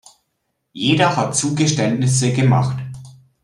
Jeder hat Zugeständnisse gemacht.